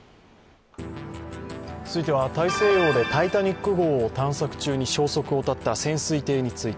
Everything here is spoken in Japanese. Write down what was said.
続いては大西洋で「タイタニック」号を探索中に捜索を立った潜水艇です。